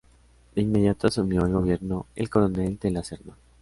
De inmediato asumió el gobierno el coronel De la Serna.